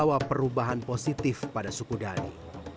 ini adalah perubahan yang sangat positif pada suku dhani